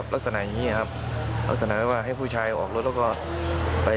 ก็เลยตามไปที่บ้านไม่พบตัวแล้วค่ะ